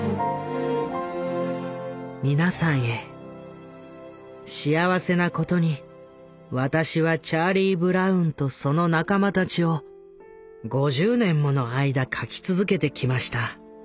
「皆さんへ幸せなことに私はチャーリー・ブラウンとその仲間たちを５０年もの間描き続けてきました。